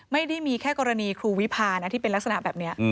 ไม่ได้มีแค่กรณีครูวิพานะที่เป็นลักษณะแบบนี้